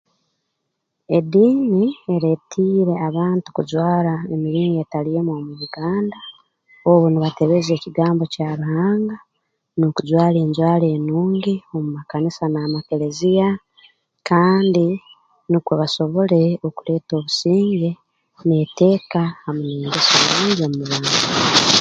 Ediini ereetiire abantu kujwara emiringo etali emu omu Uganda obu nibatebeza ekigambo kya Ruhanga n'okujwara enjwara enungi omu makanisa n'amakeleziya kandi nukwo basobole okuleeta obusinge n'eteeka hamu n'engeso nungi omu bantu